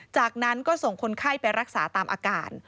จากนั้นก็ส่งคนไข้ไปรักษาตามอาการ